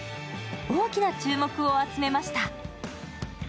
大きな注目を集めました。